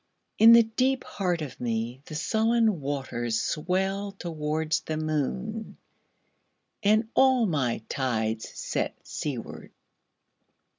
In the deep heart of meThe sullen waters swell towards the moon, And all my tides set seaward.